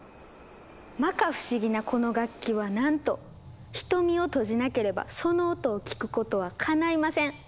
まか不思議なこの楽器はなんと瞳を閉じなければその音を聞くことはかないません。